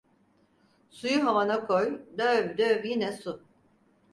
Suyu havana koy, döv döv yine su.